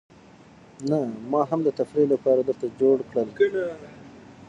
نه، ما هم د تفریح لپاره درته جوړ کړل، خپلو نجونو ته یې ورکړه.